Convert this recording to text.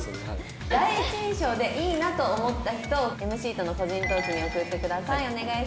第一印象でいいなと思った人をＭＣとの個人トークに送ってください。